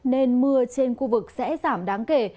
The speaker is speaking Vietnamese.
nên mưa trên khu vực sẽ giảm đáng kể